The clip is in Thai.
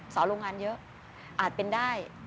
โรงงานเยอะอาจเป็นได้